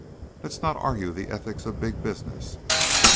"Let's not argue the ethics of big business.